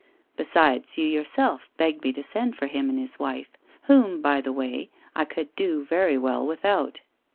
Besides, you yourself begged me to send for him and his wife, whom, by the way, I could do very well without.'